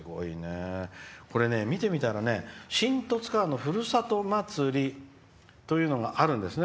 これね見てみたら新十津川のふるさとまつりというのがあるんですね。